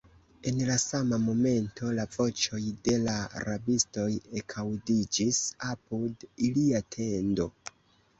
En la sama momento la voĉoj de la rabistoj ekaŭdiĝis apud ilia tendo.